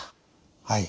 はい。